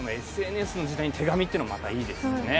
このＳＮＳの時代に手紙というのもまたいいですね。